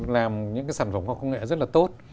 làm những cái sản phẩm khoa học công nghệ rất là tốt